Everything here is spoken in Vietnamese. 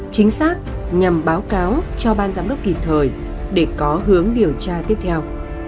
chính xác nhằm báo cáo cho ban giám đốc kịp thời để có hướng điều tra tiếp theo